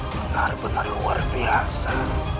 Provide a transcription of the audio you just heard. benar benar luar biasa